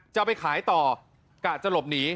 จะไปขายต่อกะจะหลบหนี